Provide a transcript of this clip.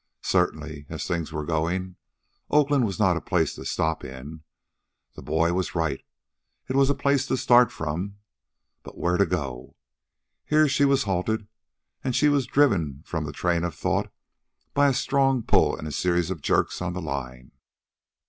Certainly, as things were going, Oakland was not a place to stop in. The boy was right. It was a place to start from. But to go where? Here she was halted, and she was driven from the train of thought by a strong pull and a series of jerks on the line.